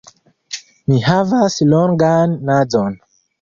Mi havas longan nazon.